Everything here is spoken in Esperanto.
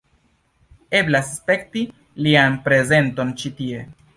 Eblas spekti lian prezenton ĉi tie.